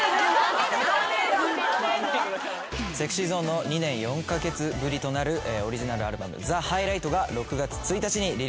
ＳｅｘｙＺｏｎｅの２年４カ月ぶりとなるオリジナルアルバム『ザ・ハイライト』が６月１日にリリースされます。